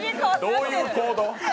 どういう行動！？